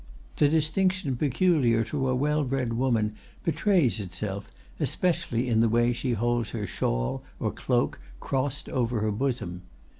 The distinction peculiar to a well bred woman betrays itself, especially in the way she holds her shawl or cloak crossed over her bosom.